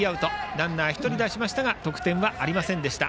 ランナー１人出しましたが得点はありませんでした。